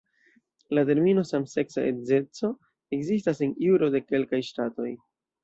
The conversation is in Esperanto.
La termino "samseksa edzeco" ekzistas en juro de kelkaj ŝtatoj.